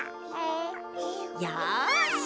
よし！